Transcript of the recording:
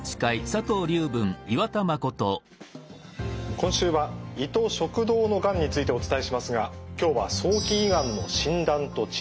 今週は胃と食道のがんについてお伝えしますが今日は早期胃がんの診断と治療についてです。